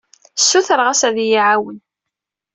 Ssutreɣ-as ad iyi-iɛawen.